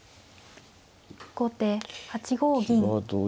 後手８五銀。